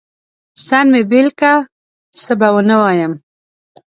سر مې بېل که، څه به ونه وايم.